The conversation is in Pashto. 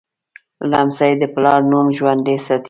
لمسی د پلار نوم ژوندی ساتي.